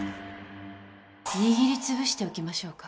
握りつぶしておきましょうか